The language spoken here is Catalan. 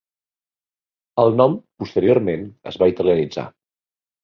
El nom posteriorment es va italianitzar.